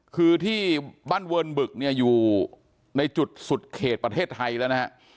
คือที่บ้านเวิร์นบึกเนี่ยอยู่ในจุดสุดเขตประเทศไทยแล้วนะฮะ